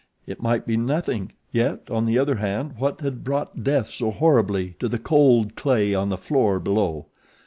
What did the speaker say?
It might be nothing; yet on the other hand what had brought death so horribly to the cold clay on the floor below?